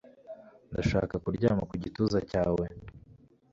Ndashaka kuryama ku gituza cyawe